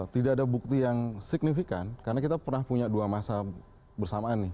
tidak ada bukti yang signifikan karena kita pernah punya dua masa bersamaan nih